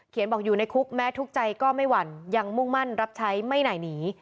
บอกอยู่ในคุกแม้ทุกข์ใจก็ไม่หวั่นยังมุ่งมั่นรับใช้ไม่ไหนหนี